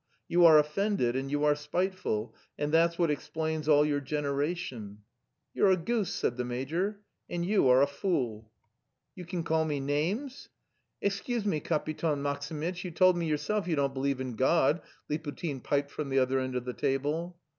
You are offended and you are spiteful and that's what explains all your generation." "You're a goose!" said the major. "And you are a fool!" "You can call me names!" "Excuse me, Kapiton Maximitch, you told me yourself you don't believe in God," Liputin piped from the other end of the table.